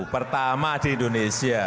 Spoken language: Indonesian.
pertama di indonesia